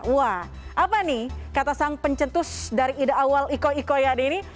wah apa nih kata sang pencetus dari ide awal iko ikoian ini